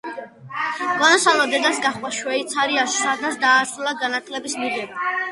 გონსალო დედას გაჰყვა შვეიცარიაში, სადაც დაასრულა განათლების მიღება.